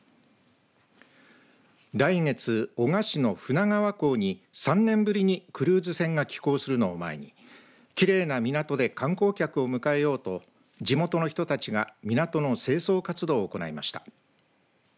来月男鹿市の船川港に３年ぶりにクルーズ船が寄港するのを前にきれいな港で観光客を迎えようと地元の人たちが港の清掃活動を行いました。